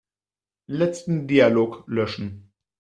Letzten Dialog löschen.